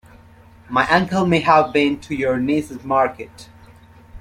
My uncle may have been to your niece's market.